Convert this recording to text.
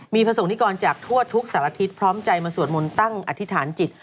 มีประสงค์นิกรจากทั่วทุกสารทิศพร้อมใจมาสวดมนต์ตั้งอธิษฐานจิต